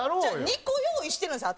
２個用意してるんですよ